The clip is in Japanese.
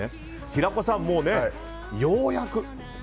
平子さん、ようやく。